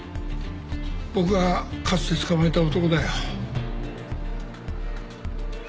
僕がかつて捕まえた男だよ。